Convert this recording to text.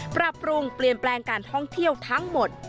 ปรับปรุงเปลี่ยนแปลงการท่องเที่ยวทั้งหมด